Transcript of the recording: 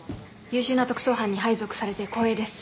優秀な特捜班に配属されて光栄です。